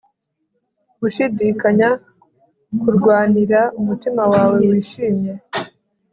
gushidikanya kurwanira umutima wawe wishimye